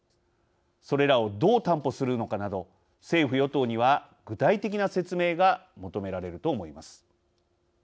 それらをどう担保するのかなど政府・与党には具体的な説明が求められると思います。